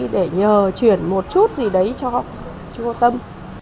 để nhờ chuyển một chút gì đấy cho trung tâm